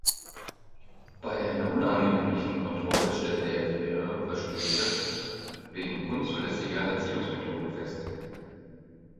Bei einer unangekündigten Kontrolle stellte er mehrere Verstöße wegen unzulässiger Erziehungsmethoden fest.